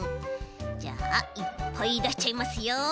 じゃあいっぱいだしちゃいますよ。